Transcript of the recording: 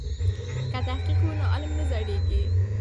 که تحقیق وي نو علم نه زړیږي.